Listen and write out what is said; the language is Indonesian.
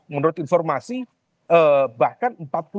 menurut informasi bahkan empat puluh delapan